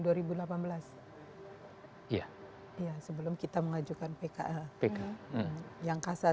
hai iya iya sebelum kita mengajukan pekan yang kasasi kasasi kasasi itu mereka sempat saya bertanya terutama ke